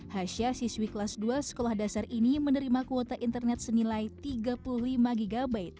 hasyah siswi kelas dua sekolah dasar ini menerima kuota internet senilai tiga puluh lima gb